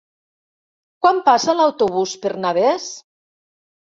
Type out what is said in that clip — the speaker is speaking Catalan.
Quan passa l'autobús per Navès?